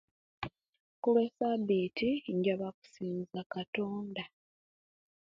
Kuluwe sabiti njaba kusinza katonda